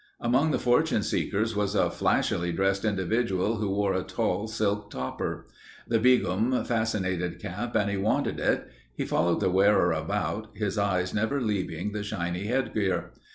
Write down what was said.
Among the fortune seekers was a flashily dressed individual who wore a tall silk topper. The beegum fascinated Cap and he wanted it. He followed the wearer about, his eyes never leaving the shiny headgear.